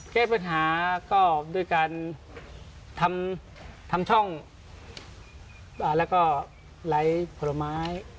แก้ปัญหาก็ด้วยการทำช่องแล้วก็ไหลผลไม้